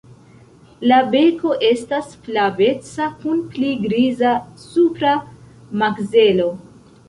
La beko estas flaveca kun pli griza supra makzelo.